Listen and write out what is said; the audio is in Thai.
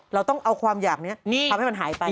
เราต้องเอาความอยากนี้ทำให้มันหายไป